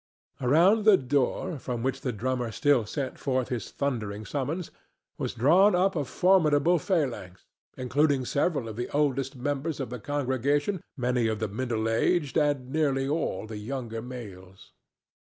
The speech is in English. Around the door, from which the drummer still sent forth his thundering summons, was drawn up a formidable phalanx, including several of the oldest members of the congregation, many of the middle aged and nearly all the younger males.